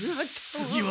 次は？